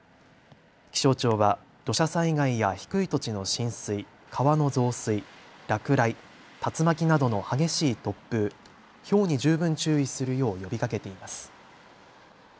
気象庁は土砂災害や低い土地の浸水、川の増水、落雷、竜巻などの激しい突風、ひょうに十分注意するよう呼びかけています。